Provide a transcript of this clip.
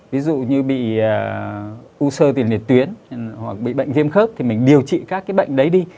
ví dụ như bị u sơ tiền liệt tuyến hoặc bị bệnh viêm khớp thì mình điều trị các cái bệnh đấy đi